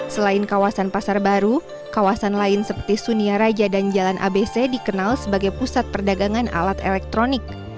selain kawasan pasar baru kawasan lain seperti sunia raja dan jalan abc dikenal sebagai pusat perdagangan alat elektronik